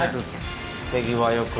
手際よく。